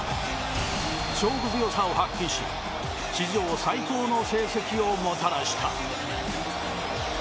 勝負強さを発揮し史上最高の成績をもたらした。